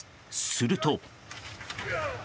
すると。